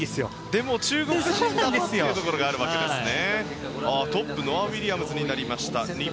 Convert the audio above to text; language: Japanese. でも中国人だとというところがあるわけですね。